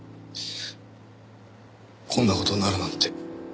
こんな事になるなんて。